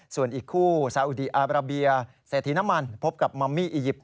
ส่วนอีกคู่ซาอุดีอาบราเบียเศรษฐีน้ำมันพบกับมัมมี่อียิปต